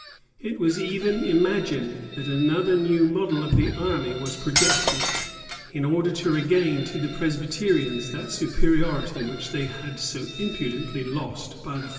[*] It was even imagined that another new model of the army was projected, in order to regain to the Presbyterians that superiority which they had so imprudently lost by the former.